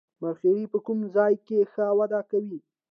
مرخیړي په کوم ځای کې ښه وده کوي